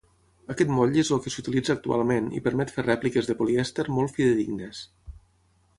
Aquest motlle és el que s'utilitza actualment i permet fer rèpliques de polièster molt fidedignes.